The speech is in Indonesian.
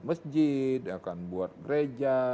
masjid akan buat gereja